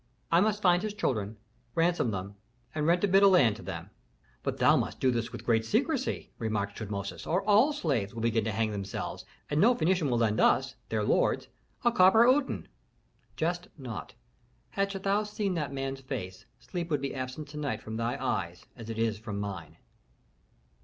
"I must find his children, ransom them, and rent a bit of land to them." "But thou must do this with great secrecy," remarked Tutmosis, "or all slaves will begin to hang themselves, and no Phœnician will lend us, their lords, a copper uten." "Jest not. Hadst thou seen that man's face, sleep would be absent to night from thy eyes as it is from mine."